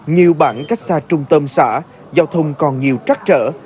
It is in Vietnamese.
nhiều bản cách xa trung tâm xã giao thông còn nhiều trắc trở